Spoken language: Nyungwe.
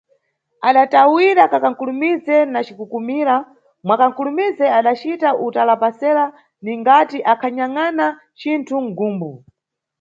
Adatawira kankakulumize na cikukumira, mwa kankulumize adacita utalapasera ningti akhanyangʼna cinthu mʼgumbu.